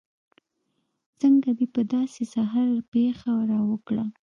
څنګه دې په داسې سهار پېښه راوکړه.